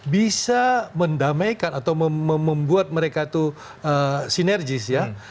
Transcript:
bisa mendamaikan atau membuat mereka itu sinergis ya